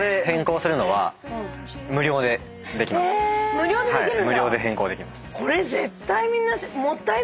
無料でできるんだ！